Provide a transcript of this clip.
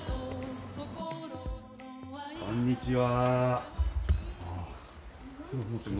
こんにちは。